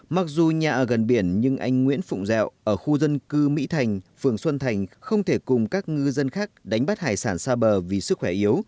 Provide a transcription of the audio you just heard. mặc dù nhà ở gần biển nhưng anh nguyễn phụng dẹo ở khu dân cư mỹ thành phường xuân thành không thể cùng các ngư dân khác đánh bắt hải sản xa bờ vì sức khỏe yếu